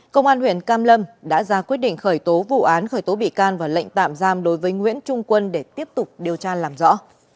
công an huyện cam lâm đã ra quyết định khởi tố vụ án khởi tố bị can và lệnh tạm giam đối với nguyễn trung quân để tiếp tục điều tra làm rõ